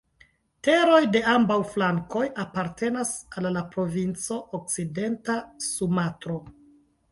Teroj de ambaŭ flankoj apartenas al la provinco Okcidenta Sumatro.